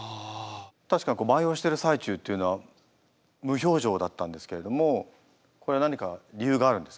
確か舞をしてる最中っていうのは無表情だったんですけれどもこれ何か理由があるんですか？